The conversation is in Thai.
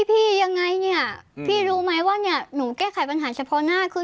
ยังไงเนี่ยพี่รู้ไหมว่าเนี่ยหนูแก้ไขปัญหาเฉพาะหน้าคือ